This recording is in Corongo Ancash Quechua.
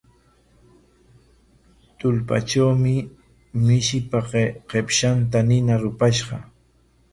Tullpatrawmi mishipa qipshanta nina rupashqa.